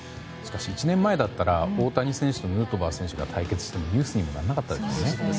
１年前だったら大谷選手とヌートバー選手が対決してもニュースにならなかったですよね。